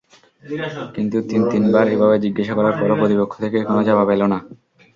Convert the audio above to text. কিন্তু তিন তিনবার এভাবে জিজ্ঞাসা করার পরও প্রতিপক্ষ থেকে কোন জবাব এলোনা।